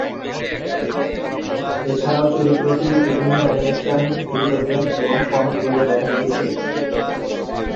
এছাড়াও চরিত্রটি বিভিন্ন অ্যানিমেশন, ভিডিও গেম এবং কমিক বইয়ে দেখা গিয়েছে।